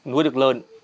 nuôi được lợn